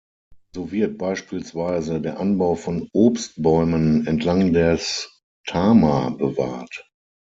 So wird beispielsweise der Anbau von Obstbäumen entlang des Tama bewahrt.